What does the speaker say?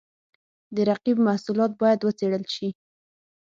د رقیب محصولات باید وڅېړل شي.